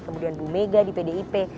kemudian bumega di pdip